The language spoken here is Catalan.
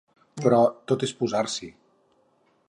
Però tot és posar-s'hi.